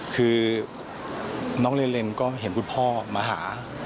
คือน้องเรนก็เห็นพ่อมาหา